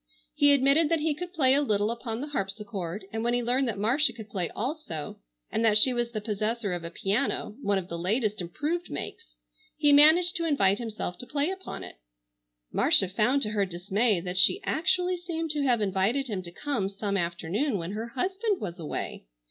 He admitted that he could play a little upon the harpsichord, and, when he learned that Marcia could play also and that she was the possessor of a piano, one of the latest improved makes, he managed to invite himself to play upon it. Marcia found to her dismay that she actually seemed to have invited him to come some afternoon when her husband was away.